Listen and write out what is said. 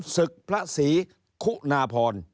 ศึกพระศรีคุณาพร